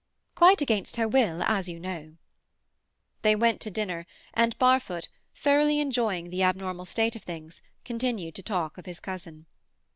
"Quite against her will, as you know." They went to dinner, and Barfoot, thoroughly enjoying the abnormal state of things, continued to talk of his cousin.